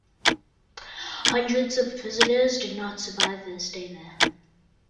Hundreds of prisoners did not survive their stay there.